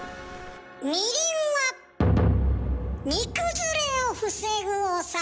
みりんは煮崩れを防ぐお酒。